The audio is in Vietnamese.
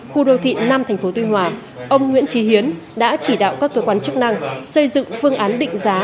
khu đô thị năm tp tuy hòa ông nguyễn trí hiến đã chỉ đạo các cơ quan chức năng xây dựng phương án định giá